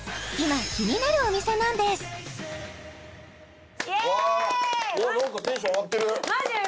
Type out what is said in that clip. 今気になるお店なんですイエーイ！